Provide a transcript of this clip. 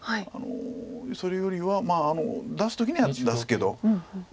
それよりは出す時には出すけど。